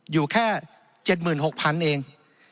อยู่แค่๗๖๐๐๐เอง